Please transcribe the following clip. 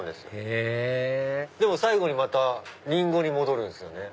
へぇでも最後にまたリンゴに戻るんですよね。